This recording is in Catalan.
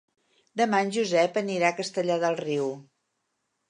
Demà en Josep anirà a Castellar del Riu.